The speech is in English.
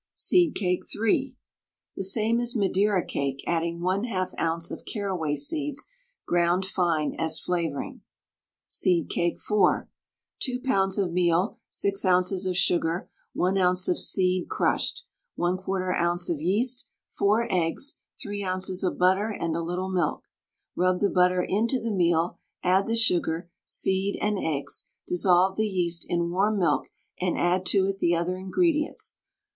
SEED CAKE (3). The same as "Madeira Cake," adding 1/2 oz. of carraway seeds, ground fine, as flavouring. SEED CAKE (4). 2 lbs. of meal, 6 oz. of sugar, 1 oz. of seed (crushed), 1/4 oz. of yeast, 4 eggs, 3 oz. of butter, and a little milk. Rub the butter into the meal, add the sugar, seed, and eggs; dissolve the yeast in warm milk and add to it the other ingredients.